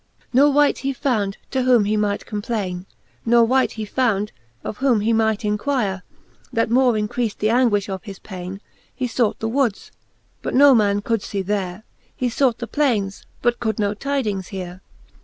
XXVI. Ne wight he found, to whom he might complaine, Ne wight he found, of whom he might inquire ; That more increaft the anguifli of his paine. He fought the woods ; but no man could fee there : He fought the plaincs ; but could no tydings heare.